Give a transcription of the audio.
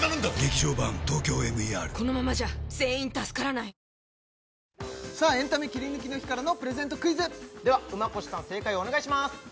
おいしさプラスエンタメキリヌキの日からのプレゼントクイズでは馬越さん正解をお願いします